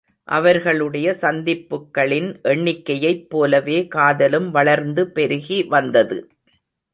அவர்களுடைய சந்திப்புக்களின் எண்ணிக்கையைப் போலவே காதலும் வளர்ந்து பெருகி வந்தது.